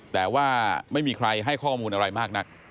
แต่ว่าไม่มีใครให้ข้อมูลอะไรมากนัก